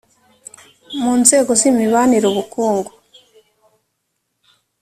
mu nzego z imibanire ubukungu